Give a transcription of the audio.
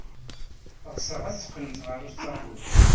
Ɣseɣ ad teqqlemt ɣer Ustṛalya.